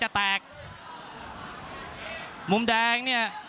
ภูตวรรณสิทธิ์บุญมีน้ำเงิน